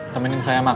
temenin saya makan